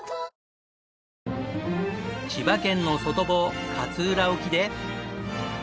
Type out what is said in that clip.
千葉県の外房勝浦沖で。